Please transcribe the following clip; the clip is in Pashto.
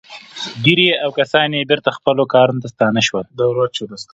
ګيري او کسان يې بېرته خپلو کارونو ته ستانه شول.